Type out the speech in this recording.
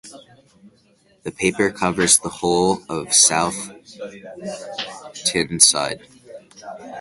The paper covers the whole of South Tyneside.